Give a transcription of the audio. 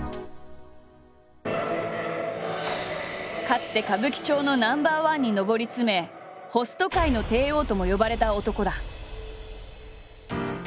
かつて歌舞伎町のナンバーワンに上り詰め「ホスト界の帝王」とも呼ばれた男だ。